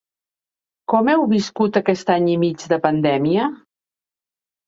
Com heu viscut aquest any i mig de pandèmia?